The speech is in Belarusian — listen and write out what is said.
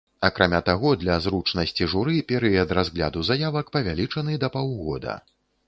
Акрамя таго, для зручнасці журы перыяд разгляду заявак павялічаны да паўгода.